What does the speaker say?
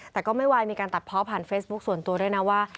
แต่ก็ไม่ไหวมีการตัดเพาะผ่านเฟซบุ๊คส่วนตัวด้วยนะว่า